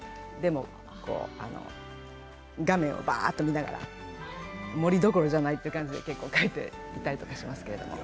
でも画面をばっと見ながら森どころじゃないという感じで書いていたりしますけど。